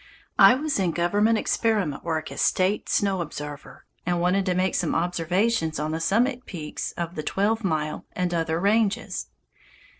I was in government experiment work as "State Snow Observer," and wanted to make some observations on the summit peaks of the "Twelve Mile" and other ranges.